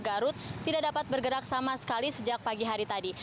garut tidak dapat bergerak sama sekali sejak pagi hari tadi